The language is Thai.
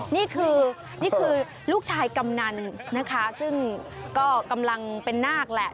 นี่คือนี่คือลูกชายกำนันนะคะซึ่งก็กำลังเป็นนาคแหละ